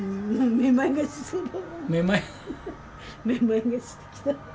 めまいがしてきた。